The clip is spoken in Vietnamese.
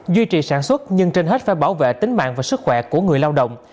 duy trì sản xuất nhưng trên hết phải bảo vệ tính mạng và sức khỏe của người lao động